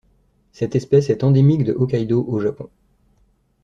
Cette espèce est endémique de Hokkaidō au Japon.